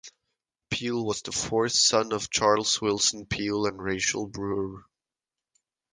Peale was the fourth son of Charles Willson Peale and Rachel Brewer.